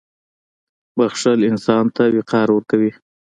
• بښل انسان ته وقار ورکوي.